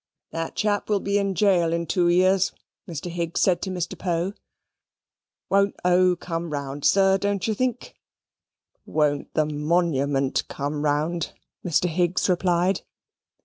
"That chap will be in gaol in two years," Mr. Higgs said to Mr. Poe. "Won't O. come round, sir, don't you think?" "Won't the monument come round," Mr. Higgs replied.